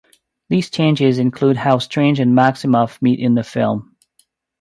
These changes include how Strange and Maximoff meet in the film.